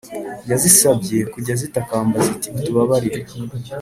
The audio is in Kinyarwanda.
yazisabye kujya zitakamba ziti « …utubabarire